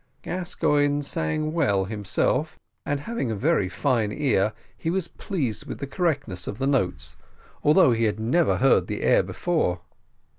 Gascoigne sang well himself, and having a very fine ear, he was pleased with the correctness of the notes, although he had never heard the air before.